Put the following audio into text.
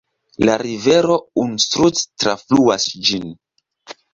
La rivero Unstrut trafluas ĝin.